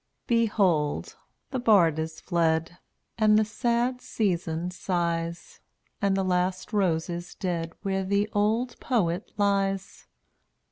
239 Behold, the bard is fled And the sad season sighs, And the last rose is dead Where the old poet lies.